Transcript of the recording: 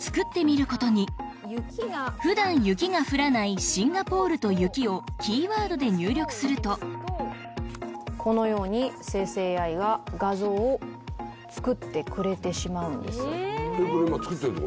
そこで普段雪が降らない「シンガポール」と「雪」をキーワードで入力するとこのように生成ＡＩが画像を作ってくれてしまうんですこれ今作ってんの？